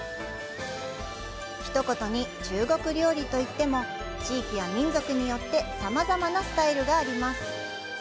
ひと言に「中国料理」と言っても、地域や民族によって、さまざまなスタイルがあります。